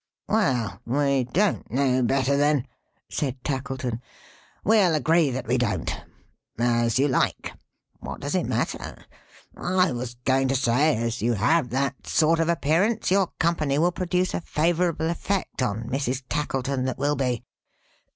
"Well! We don't know better then," said Tackleton. "We'll agree that we don't. As you like; what does it matter? I was going to say, as you have that sort of appearance, your company will produce a favorable effect on Mrs. Tackleton that will be.